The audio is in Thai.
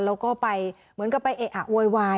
แล้วก็ไปเหมือนไปเอ๊ะโวย